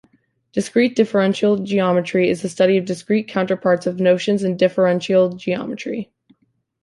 Discrete differential geometry is the study of discrete counterparts of notions in differential geometry.